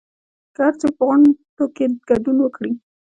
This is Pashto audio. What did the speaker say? که هرڅوک په غونډو کې ګډون وکړي